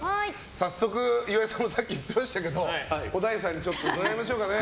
早速、岩井さんもさっき言っていましたけど小田井さんに伺いましょうかね。